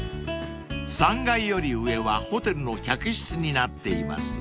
［３階より上はホテルの客室になっています］